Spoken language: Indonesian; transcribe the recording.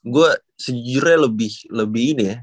gue sejujurnya lebih ini ya